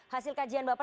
hasil kajian bapak